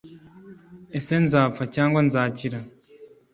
ese nzapfa cyangwa nzakira